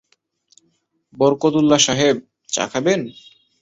বরকতউল্লাহ সাহেব, চা খাবেন?